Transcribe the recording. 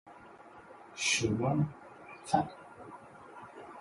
时光荏苒。